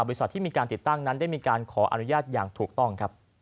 ที่มีการติดตั้งนั้นได้มีการขออนุญาตอย่างถูกต้องครับ